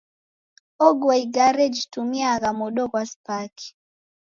Ogua igare jitumiagha modo ghwa spaki.